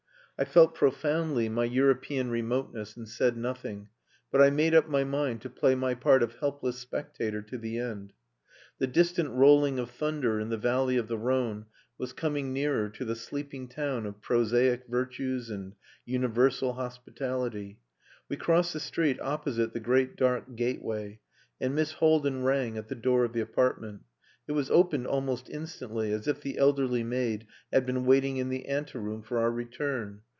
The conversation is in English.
I felt profoundly my European remoteness, and said nothing, but I made up my mind to play my part of helpless spectator to the end. The distant rolling of thunder in the valley of the Rhone was coming nearer to the sleeping town of prosaic virtues and universal hospitality. We crossed the street opposite the great dark gateway, and Miss Haldin rang at the door of the apartment. It was opened almost instantly, as if the elderly maid had been waiting in the ante room for our return.